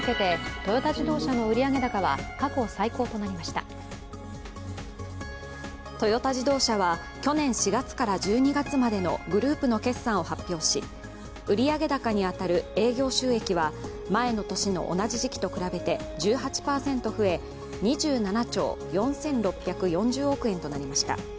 トヨタ自動車は去年４月から１２月までのグループの決算を発表し売上高に当たる営業収益は前の年の同じ時期と比べて１８％増え２７兆４６４０億円となりました。